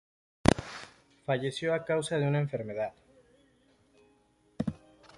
Falleció a causa de una enfermedad.